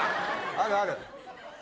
あるある！